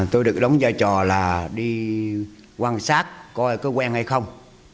tôi được đóng giai trò là đi quan sát coi có quen hay không